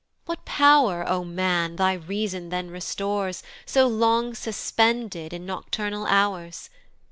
What pow'r, O man! thy reason then restores, So long suspended in nocturnal hours?